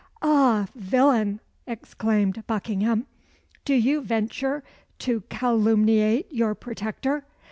"Ah, villain!" exclaimed Buckingham, "do you venture to calumniate your protector?